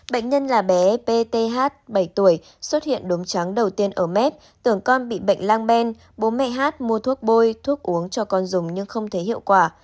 bệnh nhân là bé pch bảy tuổi xuất hiện đốm trắng đầu tiên ở mép tưởng con bị bệnh lang ben bố mẹ hát mua thuốc bôi thuốc uống cho con dùng nhưng không thấy hiệu quả